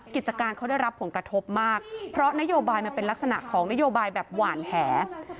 กิจการเขาได้รับผลกระทบมากเพราะนโยบายมันเป็นลักษณะของนโยบายแบบหวานแห